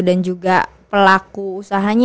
dan juga pelaku usahanya